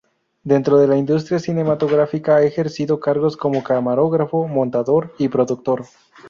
Dentro de la industria cinematográfica ha ejercido cargos como camarógrafo, montador y productor.